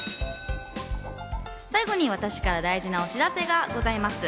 最後に私から大事なお知らせがございます。